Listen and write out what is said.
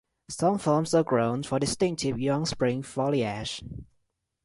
Some forms are grown for distinctive young spring foliage.